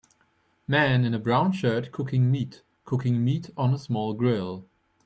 Man in a brown shirt cooking meat cooking meat on a small grill.